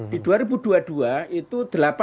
di dua ribu dua puluh dua itu delapan puluh lima